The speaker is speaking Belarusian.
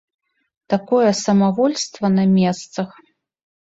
Такое самавольства на месцах!